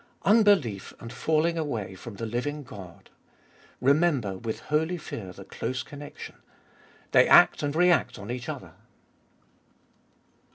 1. Unbelief and falling away from the living God : remember with holy fear the close con nection. They act and react on each other.